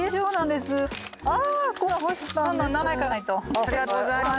ありがとうございます。